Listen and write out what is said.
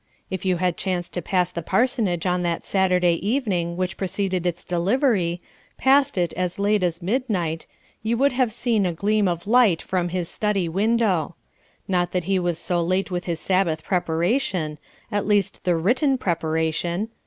If you had chanced to pass the parsonage on that Saturday evening which preceded its delivery passed it as late as midnight you would have seen a gleam of light from his study window. Not that he was so late with his Sabbath preparation at least the written preparation.